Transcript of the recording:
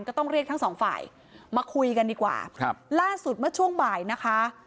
ก็ต้องเรียกทั้งสองฝ่ายมาคุยกันดีกว่าครับล่าสุดเมื่อช่วงบ่ายนะคะ